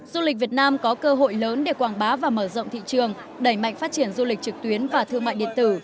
du lịch việt nam có cơ hội lớn để quảng bá và mở rộng thị trường đẩy mạnh phát triển du lịch trực tuyến và thương mại điện tử